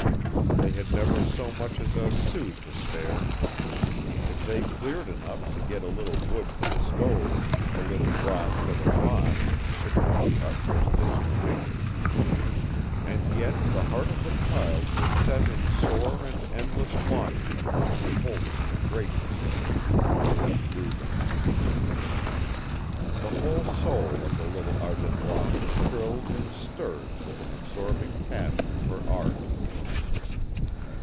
They had never so much as a sou to spare: if they cleared enough to get a little wood for the stove, a little broth for the pot, it was the utmost they could do. And yet the heart of the child was set in sore and endless longing upon beholding the greatness of the two veiled Rubens. [Illustration: tree] [Illustration: scenery] The whole soul of the little Ardennois thrilled and stirred with an absorbing passion for Art.